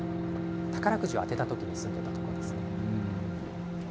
宝くじを当てた時に住んでいたところです。